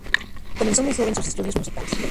Comenzó muy joven sus estudios musicales.